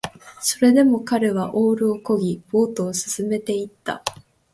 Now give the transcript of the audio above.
それでも彼はオールを漕ぎ、ボートを進めていった